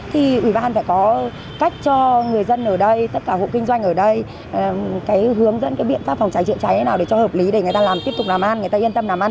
thì ủy ban phải có cách cho người dân ở đây tất cả hộ kinh doanh ở đây cái hướng dẫn cái biện pháp phòng cháy chữa cháy nào để cho hợp lý để người ta làm tiếp tục làm ăn người ta yên tâm làm ăn